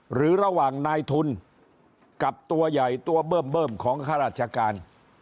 หรือระหว่างนายทุนกับตัวใหญ่ตัวเบิ้มของข้าราชการ